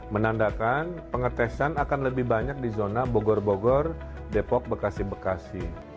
menandakan pengetesan akan lebih banyak di zona bogor bogor depok bekasi bekasi